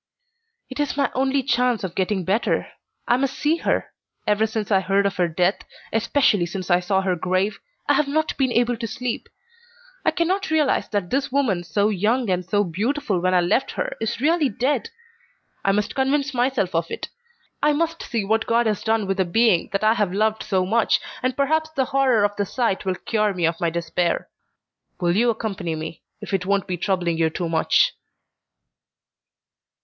"It is my only chance of getting better. I must see her. Ever since I heard of her death, especially since I saw her grave, I have not been able to sleep. I can not realize that this woman, so young and so beautiful when I left her, is really dead. I must convince myself of it. I must see what God has done with a being that I have loved so much, and perhaps the horror of the sight will cure me of my despair. Will you accompany me, if it won't be troubling you too much?"